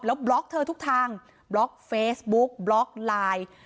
แล้วบล็อกเธอทุกทางบล็อกเฟซบุ๊กบล็อกไลน์